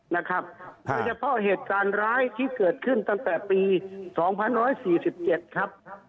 นะครับเพราะเหตุการณ์ร้ายที่เกิดขึ้นตั้งแต่ปีสองพันห้าร้อยสี่สิบเจ็ดครับ